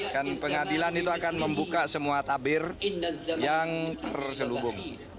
kan pengadilan itu akan membuka semua tabir yang terselubung